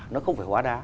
nó không phải hóa đá